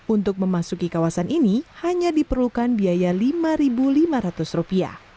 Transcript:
untuk memasuki kawasan ini hanya diperlukan biaya rp lima lima ratus